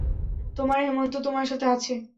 তোমার হেমন্ত তোমার সাথে আছে।